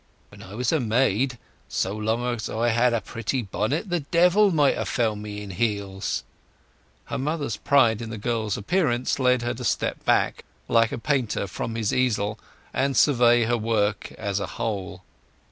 When I was a maid, so long as I had a pretty bonnet the devil might ha' found me in heels." Her mother's pride in the girl's appearance led her to step back, like a painter from his easel, and survey her work as a whole.